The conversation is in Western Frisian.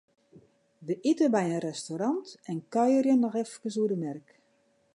Wy ite by in restaurant en kuierje noch efkes oer de merk.